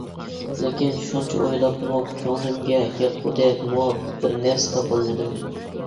لېكىن شۇنچە ئويلاپمۇ كۆڭلۈمگە ياققۇدەك مۇۋاپىق بىرنەرسە تاپالمىدىم.